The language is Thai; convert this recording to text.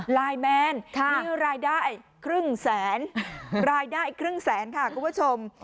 ไลน์แมนมีรายได้ครึ่งแสนรายได้อีกครึ่งแสนค่ะคุณผู้ชม